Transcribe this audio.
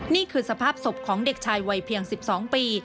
นี่คือสภาพศพของเด็กชายวัยเพียง๑๒ปี